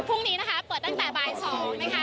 พรุ่งนี้นะคะเปิดตั้งแต่บ่าย๒นะคะ